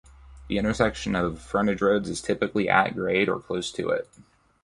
The intersection of the frontage roads is typically at grade or close to it.